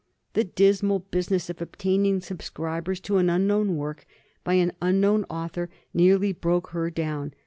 The dismal business of obtaining subscribers to an unknown work by an unknown author nearly broke her down.